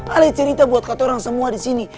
aleh cerita buat kata orang semua disini